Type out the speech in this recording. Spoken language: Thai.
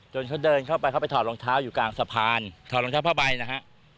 เขาเดินเข้าไปเขาไปถอดรองเท้าอยู่กลางสะพานถอดรองเท้าผ้าใบนะฮะ